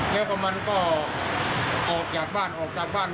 แล้วก็มันก็ออกจากบ้านออกจากบ้าน